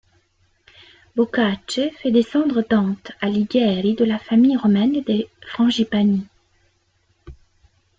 Boccace fait descendre Dante Alighieri de la famille romaine des Frangipani.